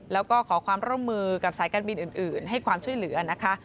แล้วก็ขอความร่วมมือกับสายการบินอื่นให้ความช่วยเหลือนะคะ